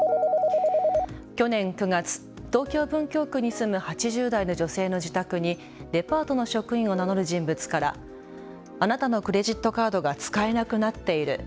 去年９月、東京・文京区に住む８０代の女性の自宅にデパートの職員を名乗る人物からあなたのクレジットカードが使えなくなっている。